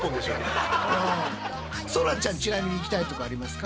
そらちゃんちなみに行きたいとこありますか？